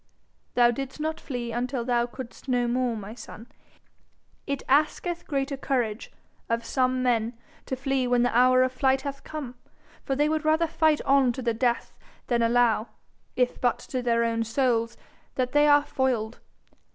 'Thou didst not flee until thou couldst no more, my son. It asketh greater courage of some men to flee when the hour of flight hath come, for they would rather fight on to the death than allow, if but to their own souls, that they are foiled.